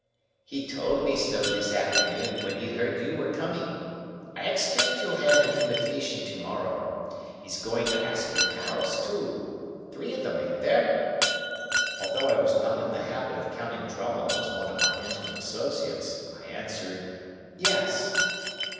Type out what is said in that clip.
"He told me so this afternoon when he heard you were coming. I expect you'll have an invitation to morrow. He's going to ask your pals, too. Three of 'em; ain't there?" Although I was not in the habit of counting Drummle as one of my intimate associates, I answered, "Yes."